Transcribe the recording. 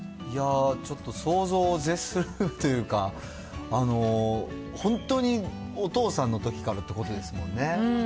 ちょっと想像を絶するというか、本当にお父さんのときからっていうことですもんね。